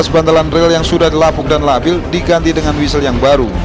delapan belas bandelan rel yang sudah dilapuk dan lapil diganti dengan wisel yang baru